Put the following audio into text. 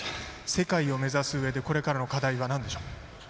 世界を目指すうえでこれからの課題はなんでしょう？